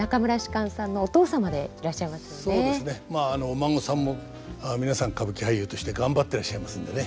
お孫さんも皆さん歌舞伎俳優として頑張ってらっしゃいますんでね